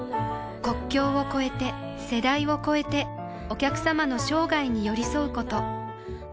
国境を超えて世代を超えてお客様の生涯に寄り添うこと